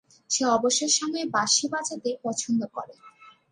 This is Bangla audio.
সে অবসর সময়ে বাঁশি বাজাতে পছন্দ করে।